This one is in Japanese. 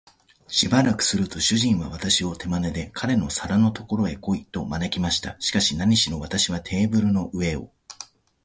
しばらくすると、主人は私を手まねで、彼の皿のところへ来い、と招きました。しかし、なにしろ私はテーブルの上を